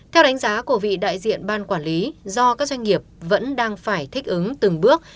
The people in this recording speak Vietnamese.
theo đánh giá của vị đại diện ban quản lý do các doanh nghiệp vẫn đang phải thích ứng từng bước